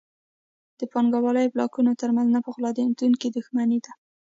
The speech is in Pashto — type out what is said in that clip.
د پانګوالۍ بلاکونو ترمنځ نه پخلاکېدونکې دښمني وه.